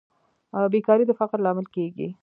بیکاري د فقر لامل کیږي